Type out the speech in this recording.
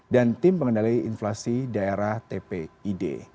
dan tim pengendali inflasi daerah tpid